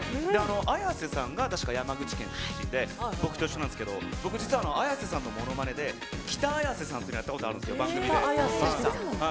Ａｙａｓｅさんが確か、山口県の出身で、僕と一緒なんですけど、僕、実はＡｙａｓｅさんのものまねで、きたあやせさんっていうのをやったことあるんですよ、番組で。